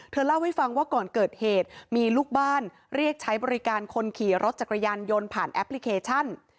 เล่าให้ฟังว่าก่อนเกิดเหตุมีลูกบ้านเรียกใช้บริการคนขี่รถจักรยานยนต์ผ่านแอปพลิเคชัน